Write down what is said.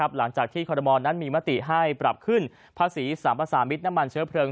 หลังจากที่คอรมอลนั้นมีมติให้ปรับขึ้นภาษีสัมภาษามิตรน้ำมันเชื้อเพลิง